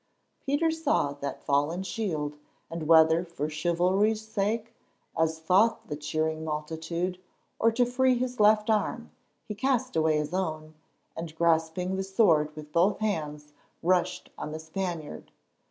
Peter saw that fallen shield, and whether for chivalry's sake, as thought the cheering multitude, or to free his left arm, he cast away his own, and grasping the sword with both hands rushed on the Spaniard.